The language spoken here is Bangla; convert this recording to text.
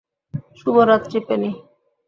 শুভরাত্রি, পেনি।